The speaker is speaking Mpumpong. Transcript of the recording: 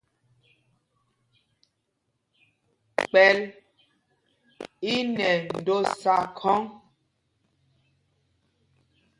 Kpɛ̂l í nɛ ndōsā khɔ́ŋ.